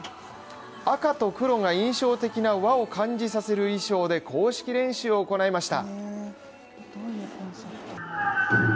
赤と黒が印象的な和を感じさせる衣装で公式練習を行いました。